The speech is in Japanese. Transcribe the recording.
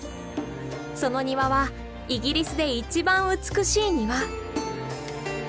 その庭はイギリスで一番美しい庭。